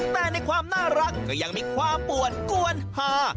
แต่ในความน่ารักก็ยังมีความป่วนกวนหา